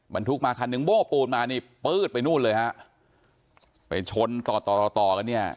บรรทุกมาคันหนึ่งโบ้ปูนมานี่ปื๊ดไปนู่นเลยฮะไปชนต่อต่อต่อต่อกันเนี่ย